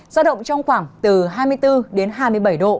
giao động trong khoảng từ hai mươi bốn đến hai mươi bảy độ